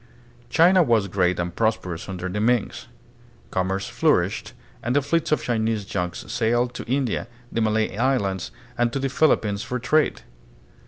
China was great and prosperous under the Mings. Com merce flourished and the fleets of Chinese junks sailed to India, the Malay Islands, and to the Philippines for trade.